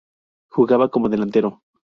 Jugaba como delantero.